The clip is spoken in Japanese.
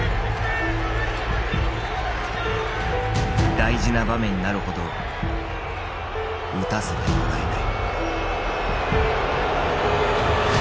大事な場面になるほど打たせてもらえない。